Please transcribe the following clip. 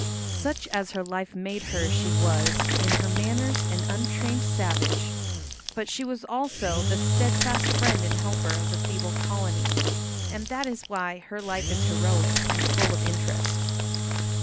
Such as her life made her she was in her manners an untrained savage. But she was also the steadfast friend and helper of the feeble colony, and that is why her life is heroic and full of interest.